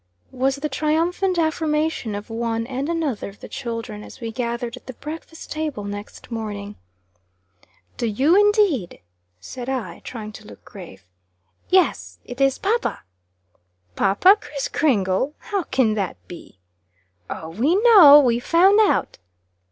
was the triumphant affirmation of one and another of the children, as we gathered at the breakfast table next morning. "Do you, indeed?" said I, trying to look grave. "Yes; it is papa." "Papa, Kriss Kringle! How can that be?" "Oh, we know! We found out!"